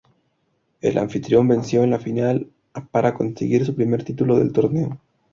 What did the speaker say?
El anfitrión venció en la final a para conseguir su primer título del torneo.